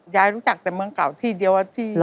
รู้จักแต่เมืองเก่าที่เดียวที่